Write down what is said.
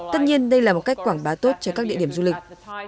tất nhiên đây là một cách quảng bá tốt cho các địa điểm du lịch